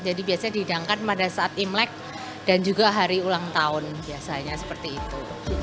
jadi biasanya didangkan pada saat imlek dan juga hari ulang tahun biasanya seperti itu